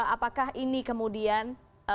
apakah ini kemudian